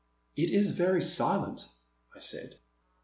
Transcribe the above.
It is very silent," I said.